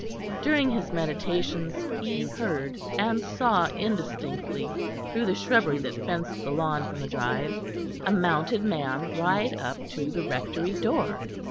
During his meditations he heard, and saw indistinctly, through the shrubbery that fenced the lawn from the drive, a mounted man ride up to the Rectory door.